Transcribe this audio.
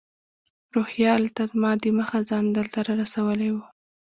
روهیال تر ما دمخه ځان دلته رارسولی و.